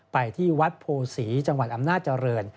ไปที่วัดโภษีจังหวัดอำนาจรรย์